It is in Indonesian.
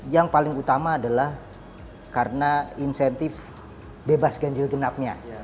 yang paling utama adalah karena insentif bebas ganjil genapnya